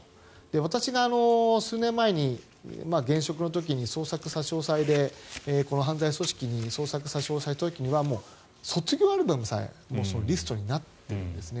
私が数年前に現職の時にこの犯罪組織に捜索差し押さえをした時にはもう卒業アルバムさえリストになっているんですね。